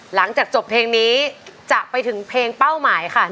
หลังจากจบเพลงนี้จะไปถึงเพลงเป้าหมายค่ะ